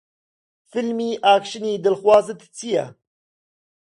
فیلمی ئاکشنی دڵخوازت چییە؟